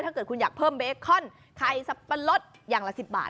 ถ้าเกิดคุณอยากเพิ่มเบคอนไข่สับปะรดอย่างละ๑๐บาท